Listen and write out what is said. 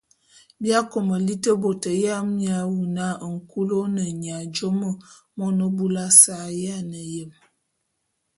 Bi akômo liti bôt ya miaé wu na nkul ô ne nya jùomo mone búlù ase a yiane yem.